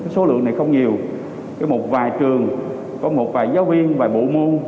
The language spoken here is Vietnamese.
số lượng này không nhiều một vài trường có một vài giáo viên vài bộ môn